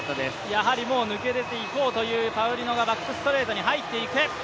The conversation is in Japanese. やはりもう抜け出ていこうというパウリノがバックストレートに入っていく。